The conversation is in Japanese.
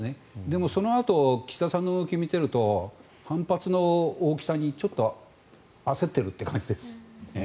でもそのあと岸田さんの動きを見ていると反発の大きさに、ちょっと焦っているという感じです。